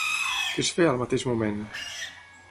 Què es feia al mateix moment?